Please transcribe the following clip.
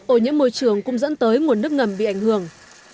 ô nhiễm môi trường cũng dẫn tới nguồn nước ngầm bị ảnh hưởng